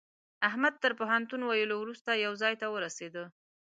احمد تر پوهنتون ويلو روسته يوه ځای ته ورسېدل.